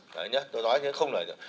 đấy nhé tôi nói như không nói được